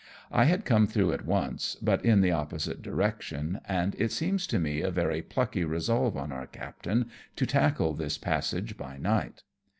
I had come through it once, but in the opposite direction, and it seems to me a very plucky resolve on our captain to tackle this passage by night.